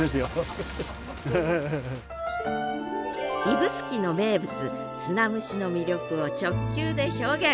指宿の名物砂蒸しの魅力を直球で表現。